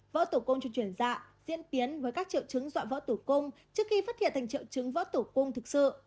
vỡ tủ cung cho chuyển dạ diễn tiến với các triệu chứng dọa vỡ tủ cung trước khi phát hiện thành triệu chứng vỡ tủ cung thực sự